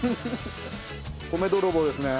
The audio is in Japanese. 米泥棒ですね。